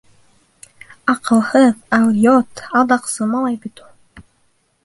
Аҡылһыҙ, алйот, алдаҡсы малай бит ул.